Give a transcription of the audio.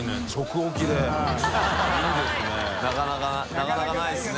なかなかないですね